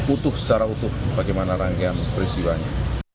utuh secara utuh bagaimana rangkaian peristiwanya